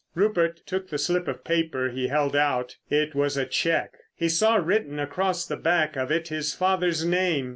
Rupert took the slip of paper he held out. It was a cheque. He saw written across the back of it his father's name.